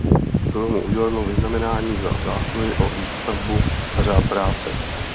Bylo mu uděleno Vyznamenání Za zásluhy o výstavbu a Řád práce.